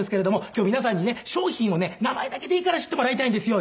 今日皆さんにね商品をね名前だけでいいから知ってもらいたいんですよ。